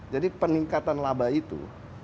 jadi peningkatan laba itu